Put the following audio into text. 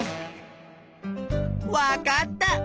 わかった！